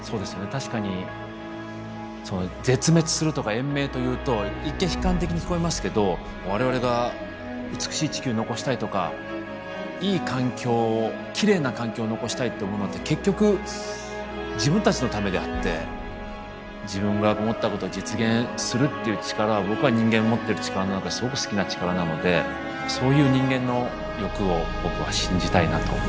確かに絶滅するとか延命というと一見悲観的に聞こえますけど我々が美しい地球残したいとかいい環境をきれいな環境を残したいって思うのって結局自分たちのためであって自分が思ったことを実現するっていう力は僕は人間の持ってる力の中ですごく好きな力なのでそういう人間の欲を僕は信じたいなと思いました。